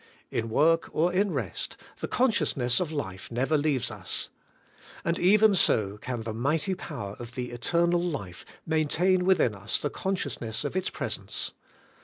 In work or in rest, the consciousness of life never leaves us. And even so can the mighty power of the Eternal Life maintain within us the consciousness of its presence.